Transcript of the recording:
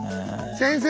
先生。